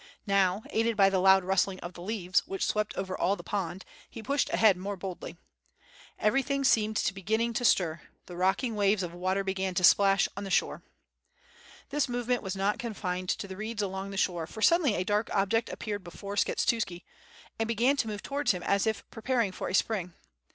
Now, aided by the lo»d rust ling of the leaves, which swept over all the pond, he pushed ahead more boldly. Everything seemed to be beginning to stir, the rocking waves of water began to splash on the shore. This movement was not confined to the reeds along the shore, for suddenly a dark object appeared before Skshetuski, and began to move towards him as if preparing for a spring.